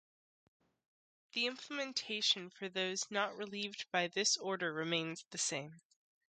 The implementation for those not relieved by this order remained the same.